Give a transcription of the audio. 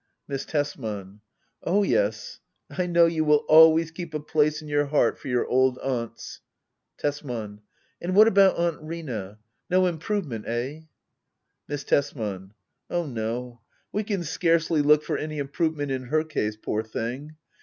Miss Tbsman. Oh yes, I know you will always keep a place in your heart for your old aimts. Tbsman. And what about Aunt Rina ? No improvement —eh? Miss Tbsman. Oh no — we can scarcely look for any improve ment in her case, poor thing.